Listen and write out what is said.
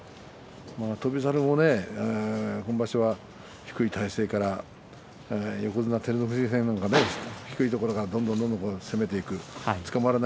翔猿も今場所は低い体勢から横綱照ノ富士を低いところからどんどん攻めていきました。